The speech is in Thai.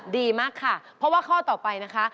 ดีมากค่ะเพราะว่าข้อต่อไปนะคะ